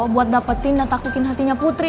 buat dapetin dan takutin hatinya putri